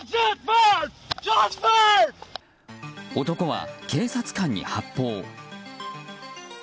男は、警察官に発砲。